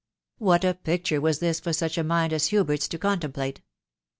What a picture was this for such a mind as Hubert's to contemplate